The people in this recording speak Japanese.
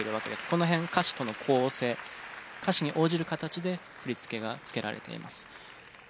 この辺歌詞との構成歌詞に応じる形で振り付けが付けられています。